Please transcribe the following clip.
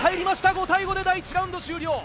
５対５で第１ラウンド終了。